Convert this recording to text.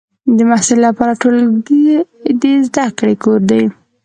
د محصل لپاره ټولګی د زده کړې کور دی.